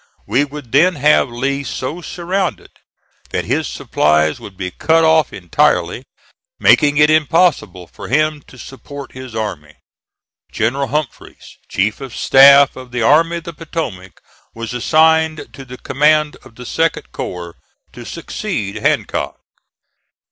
We would then have Lee so surrounded that his supplies would be cut off entirely, making it impossible for him to support his army. General Humphreys, chief of staff of the Army of the Potomac, was assigned to the command of the 2d corps, to succeed Hancock.